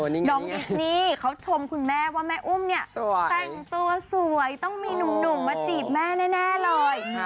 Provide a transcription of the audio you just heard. น้องดิสนี่เขาชมคุณแม่ว่าแม่อุ้มเนี่ยแต่งตัวสวยต้องมีหนุ่มมาจีบแม่แน่เลย